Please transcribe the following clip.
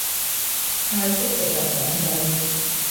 泰式植入廣告